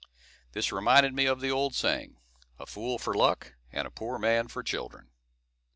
This reminded me of the old saying "A fool for luck, and a poor man for children."